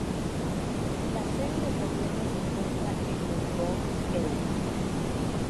La sede del gobierno se encuentra en Nongong-eup.